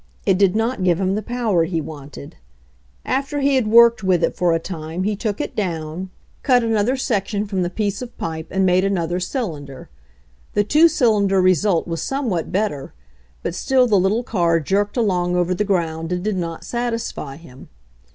It did not give him the power he wanted. After he had worked with it for a time he took it down, cut 98 ANOTHER EIGHT YEARS 99 another section from the piece of pipe and made another cylinder. The two cylinder result was somewhat better, but still the little car jerked along over the ground and did not satisfy him.